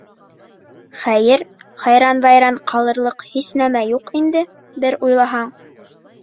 Хәйер, хайран-вайран ҡалырлыҡ һис нәмә юҡ инде, бер уйлаһаң.